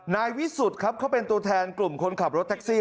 นายวิสุทธิ์ครับเขาเป็นตัวแทนกลุ่มคนขับรถแท็กซี่